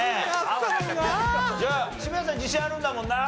じゃあ渋谷さん自信あるんだもんな。